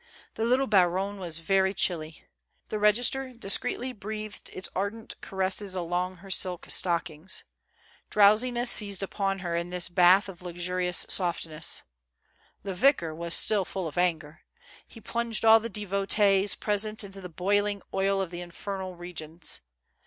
The little baronne was very chilly. Tlie register discreetly breathed its ardent caresses along her silk stockings. Drowsiness seized upon her in this bath of luxurious softness. THE FAST. 297 The vicar was still full of auger. He plunged all tlie devotees present into the boiling oil of the infernal regions.